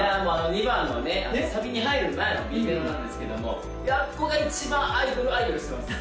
２番のねサビに入る前のＢメロなんですけどもあっこが一番アイドルアイドルしてます